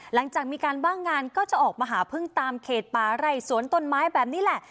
หลังจากมีการว่างงานก็จะออกมาหาพึ่งตามเขตป่าไร่สวนต้นไม้แบบนี้แหละ